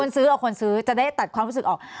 ซื้อเอาคนซื้อจะได้ตัดความรู้สึกออก